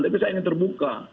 tapi saya ingin terbuka